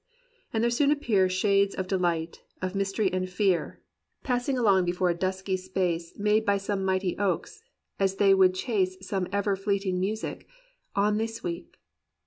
... And there soon appear Shapes of dehght, of mystery and fear. Passing along before a dusky space 185 COMPANIONABLE BOOKS Made by some mighty oaks: as they would chase Some ever fleeting music, on they sweep.